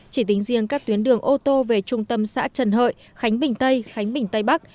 chỉ tính riêng các tuyến đường ô tô về trung tâm xã trần hợi khánh bình tây khánh bình tây bắc